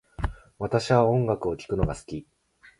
私は音楽を聴くのが好き